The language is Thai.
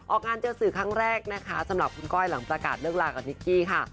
ออกงานเจอสื่อครั้งแรกนะคะสำหรับคุณก้อยหลังประกาศเลิกลากับนิกกี้ค่ะ